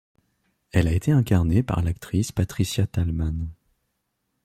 Elle a été incarnée par l'actrice Patricia Tallman.